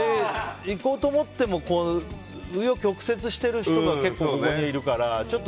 いこうと思っても紆余曲折してる人が結構、ここにいるから。